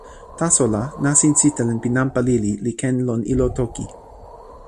taso la, nasin sitelen pi nanpa lili li ken lon ilo toki.